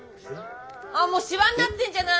あっもうしわになってんじゃない。